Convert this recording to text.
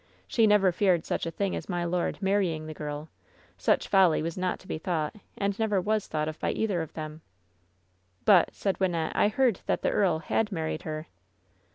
She never feared such a thing as my lord marrying the girl. Such folly was not to be thought, and never was thought of by either of them." "But," said Wynnette, "I heard that the earl had married her."